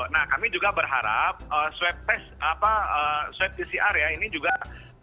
nah kami juga berharap sweptest sweptcr ya ini juga harus dilakukan